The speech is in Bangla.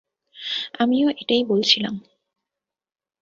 আমিও এটাই বলছিলাম।